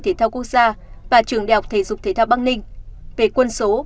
thể thao quốc gia và trường đại học thể dục thể thao bắc ninh về quân số